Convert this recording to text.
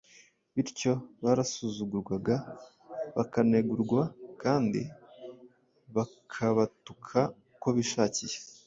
bityo barasuzugurwaga, bakanegurwa kandi bakabatuka uko bishakiye.